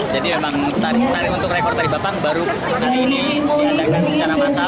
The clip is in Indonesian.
jadi memang menari untuk rekor tari bapang baru hari ini diadakan secara masal